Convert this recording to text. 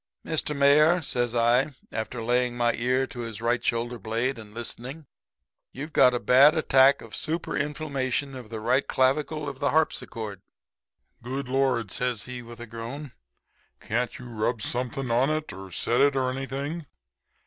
"'Mr. Mayor,' says I, after laying my ear to his right shoulder blade and listening, 'you've got a bad attack of super inflammation of the right clavicle of the harpsichord!' "'Good Lord!' says he, with a groan, 'Can't you rub something on it, or set it or anything?'